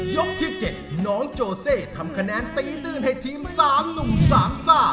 ที่๗น้องโจเซทำคะแนนตีตื้นให้ทีม๓หนุ่มสามซ่า